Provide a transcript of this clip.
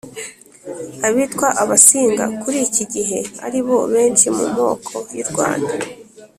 abitwa abasinga kuri iki gihe ari bo benshi mu moko y'u rwanda